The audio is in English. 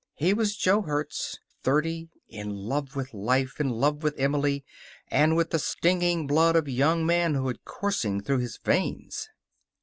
He was Jo Hertz, thirty, in love with life, in love with Emily, and with the stinging blood of young manhood coursing through his veins.